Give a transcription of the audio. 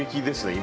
今。